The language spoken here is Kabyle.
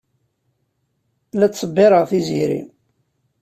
La ttṣebbireɣ Tiziri.